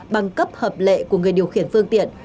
bằng cấp hợp lệ của người điều khiển phương tiện